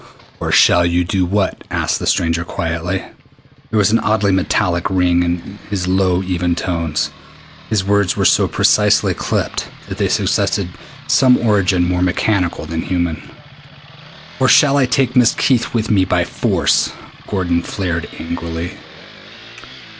"Or shall you do what?" asked the stranger quietly. There was an oddly metallic ring in his low even tones. His words were so precisely clipped that they suggested some origin more mechanical than human. "Or shall I take Miss Keith with me by force?" Gordon flared angrily.